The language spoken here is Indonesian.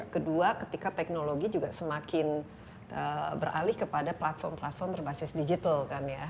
kedua ketika teknologi juga semakin beralih kepada platform platform berbasis digital kan ya